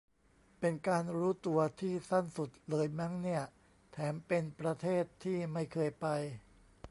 เป็นการรู้ตัวที่สั้นสุดเลยมั้งเนี่ย แถมเป็นประเทศที่ไม่เคยไป